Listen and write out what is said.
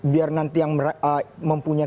biar nanti yang mempunyai